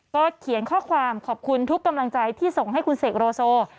ก็เขียนข้อความขอบคุณทุกกำลังใจที่ส่งให้คุณเสกโลโซ